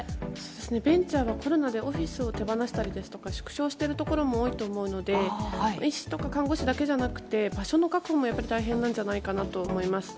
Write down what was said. ベンチャーはコロナでオフィスを手放したりですとか縮小しているところも多いと思うので医師とか看護師だけじゃなくて場所の確保も大変なんじゃないかなと思います。